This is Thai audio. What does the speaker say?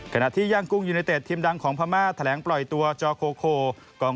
ย่างกุ้งยูเนเต็ดทีมดังของพม่าแถลงปล่อยตัวจอโคโคกอง